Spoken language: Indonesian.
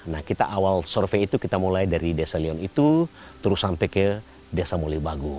nah kita awal survei itu kita mulai dari desa leon itu terus sampai ke desa mulibagu